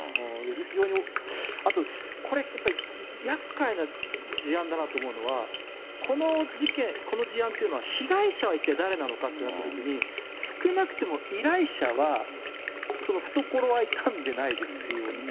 非常に、あとこれやっぱり、やっかいな事案だなと思うのは、この事案というのは、被害者が一体誰なのかとなったときに、少なくとも依頼者は懐は痛んでないですよね。